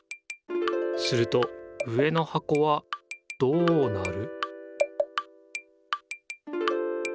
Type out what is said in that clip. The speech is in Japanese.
すると上のはこはどうなる？